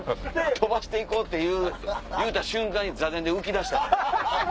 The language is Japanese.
飛ばして行こうって言うた瞬間に坐禅で浮きだしたんやで。